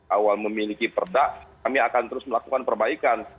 awal memiliki perda kami akan terus melakukan perbaikan